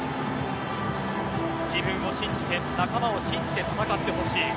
自分を信じて仲間を信じて戦ってほしい。